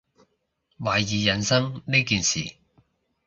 懷疑人生呢件事